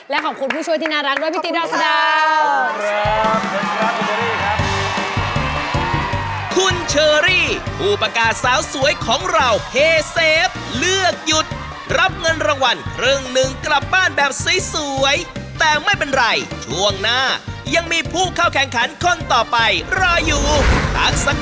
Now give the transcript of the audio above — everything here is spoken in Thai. และขอบคุณผู้ช่วยที่น่ารักด้วยพี่จีนรับคุณดาวน์พี่จีนรับคุณเชอรี่ครับ